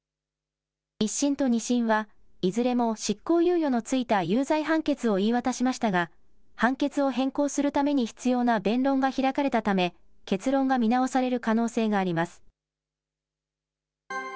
１審と２審はいずれも執行猶予の付いた有罪判決を言い渡しましたが、判決を変更するために必要な弁論が開かれたため、結論が見直される可能性があります。